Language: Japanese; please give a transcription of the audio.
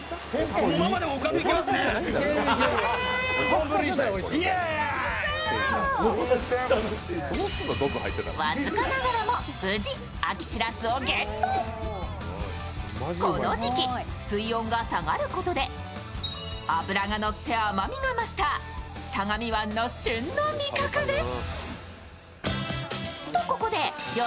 この時期、水温が下がることで脂が乗って甘みが増した相模湾の旬の味覚です。